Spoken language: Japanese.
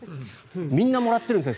みんなもらっているんですね